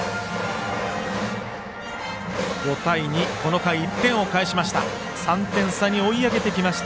５対２、この回１点を返しました。